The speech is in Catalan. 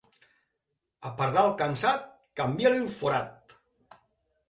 A pardal cansat, canvia-li el forat.